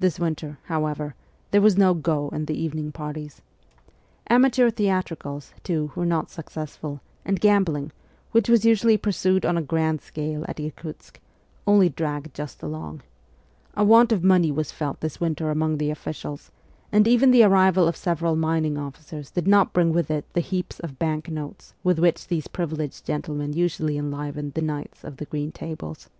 This winter, however, there was no ' go ' in the evening parties. Amateur theatricals, too, were not successful ; and gambling, which was usually pursued on a grand scale at Irkutsk, only dragged just along : a want of money was felt this winter among the officials, and even the arrival of several mining officers did not bring with it the heaps of bank notes with which these privileged gentlemen usually enlivened the knights of the green tables.